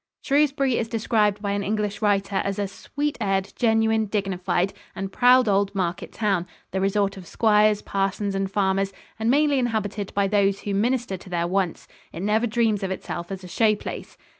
Shrewsbury is described by an English writer as a "sweet aired, genuine, dignified and proud old market town, the resort of squires, parsons and farmers, and mainly inhabited by those who minister to their wants. It never dreams of itself as a show place."